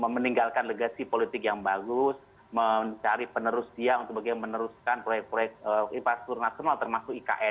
meninggalkan legasi politik yang bagus mencari penerus dia untuk bagaimana meneruskan proyek proyek infrastruktur nasional termasuk ikn